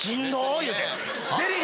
言うて。